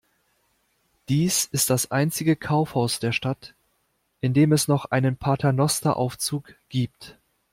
Dies ist das einzige Kaufhaus der Stadt, in dem es noch einen Paternosteraufzug gibt.